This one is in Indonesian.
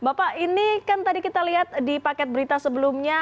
bapak ini kan tadi kita lihat di paket berita sebelumnya